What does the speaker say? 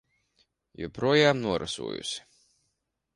Joprojām norasojusi.